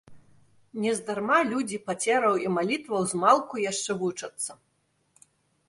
Нездарма людзі пацераў і малітваў змалку яшчэ вучацца.